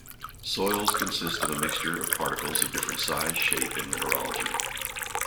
Soils consist of a mixture of particles of different size, shape and mineralogy.